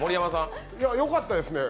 よかったですね。